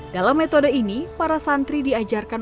dalam metode ini para santri diajarkan